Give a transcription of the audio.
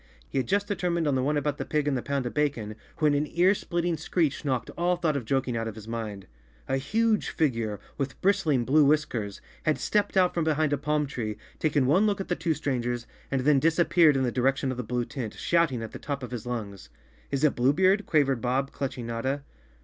He had just de¬ termined on the one about the pig and the pound of bacon, when an ear splitting screech knocked all thought of joking out of his mind. A huge figure, with bristling blue whiskers, had stepped out from behind a palm tree, taken one look at the two strangers and then disappeared in the direction of the blue tent, shouting at the top of his lungs. "Is it Blue Beard?" quavered Bob, clutching Notta.